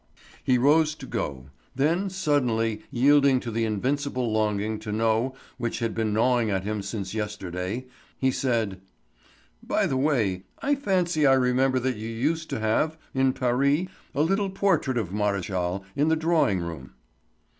He rose to go; then, suddenly yielding to the invincible longing to know which had been gnawing at him since yesterday, he said: "By the way, I fancy I remember that you used to have, in Paris, a little portrait of Maréchal, in the drawing room."